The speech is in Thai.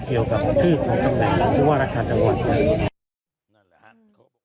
เกี่ยวกับที่หรือว่ารักษาจังหวัด